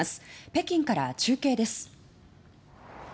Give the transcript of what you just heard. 北京から中継です。